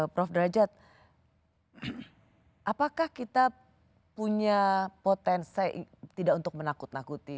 prof derajat apakah kita punya potensi tidak untuk menakut nakuti